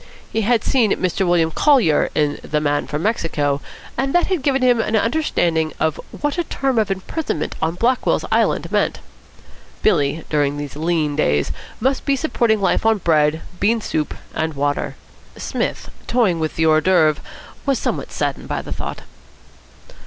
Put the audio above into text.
He had seen Mr William Collier in The Man from Mexico, and that had given him an understanding of what a term of imprisonment on Blackwell's Island meant. Billy, during these lean days, must be supporting life on bread, bean soup, and water. Psmith, toying with the hors d'oeuvre, was somewhat saddened by the thought.